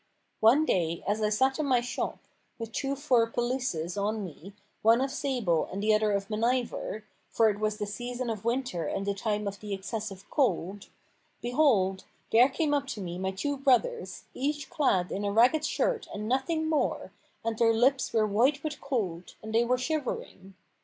One day, as I sat in my shop, with two fur pelisses on me, one of sable and the other of meniver,[FN#493] for it was the season of winter and the time of the excessive cold, behold, there came up to me my two brothers, each clad in a ragged shirt and nothing more, and their lips were white with cold, and they were shivering.